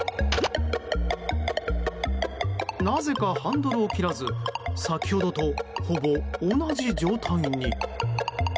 なぜかハンドルを切らず先ほどとほぼ同じ状態に。